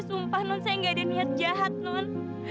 sumpah non saya gak ada niat jahat non